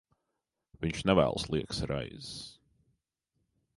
Viņš nevēlas liekas raizes.